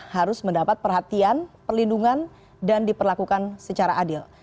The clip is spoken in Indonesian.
harus mendapat perhatian perlindungan dan diperlakukan secara adil